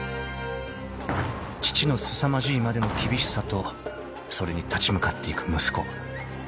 ［父のすさまじいまでの厳しさとそれに立ち向かっていく息子］